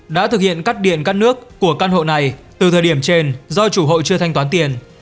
đã thực hiện cắt điện cắt nước của căn hộ này từ thời điểm trên do chủ hộ chưa thanh toán tiền